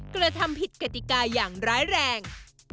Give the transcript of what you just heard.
กระทำผิดกติกาอย่างร้ายแรง